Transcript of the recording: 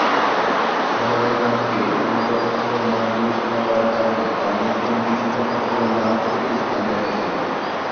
শহরের নামকে সমগ্র অঞ্চলের নাম বিবেচনা করার কারণে তারা নতুন বিজিত অঞ্চলের নাম তুর্কিস্তান রেখেছিল।